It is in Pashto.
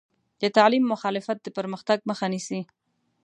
د تعلیم مخالفت د پرمختګ مخه نیسي.